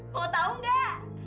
mau tau gak